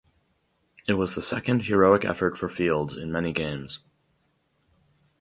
It was the second heroic effort for Fields in many games.